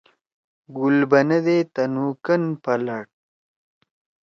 گُل بنے دے تُنُو کن پلڑ۔